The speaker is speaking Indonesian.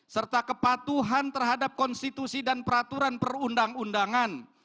serta kepatuhan terhadap konstitusi dan peraturan perundang undangan